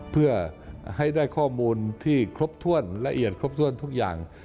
เพื่อให้ได้ข้อมูลที่ครบถ้วนละเอียดครบถ้วนทุกอย่าง